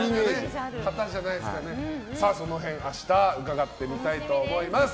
その辺、明日伺ってみたいと思います。